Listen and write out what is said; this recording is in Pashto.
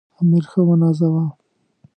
امیر ښه ونازاوه.